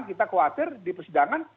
kita khawatir di persidangan